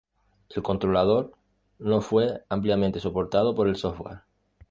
El controlador no fue ampliamente soportado por el software.